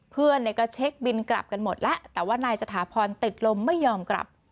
เพื่อนเนี่ยก็เช็คบินกลับกันหมดแล้วแต่ว่านายสถาพรติดลมไม่ยอมกลับ